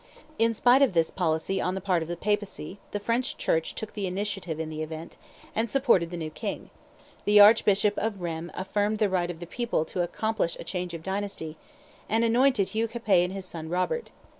In spite of this policy on the part of the Papacy, the French Church took the initiative in the event, and supported the new king; the Archbishop of Rheims affirmed the right of the people to accomplish a change of dynasty, and anointed Hugh Capet and his son Robert.